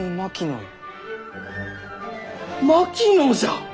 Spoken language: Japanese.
槙野じゃ！